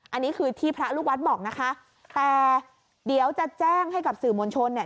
อันนี้คือที่พระลูกวัดบอกนะคะแต่เดี๋ยวจะแจ้งให้กับสื่อมวลชนเนี่ย